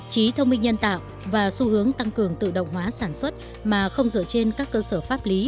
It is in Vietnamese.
trí thông minh nhân tạo và xu hướng tăng cường tự động hóa sản xuất mà không dựa trên các cơ sở pháp lý